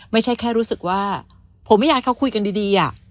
ไม่ใช่แค่รู้สึกว่าผมไม่อยากให้เขาคุยกันดี